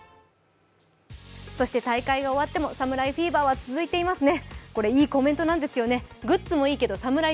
そして大会が終わっても侍フィーバーは続いていますね。